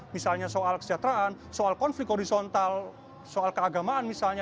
misalnya soal kesejahteraan soal konflik horizontal soal keagamaan misalnya